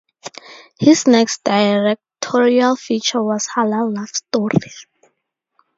His next directorial feature was "Halal Love Story".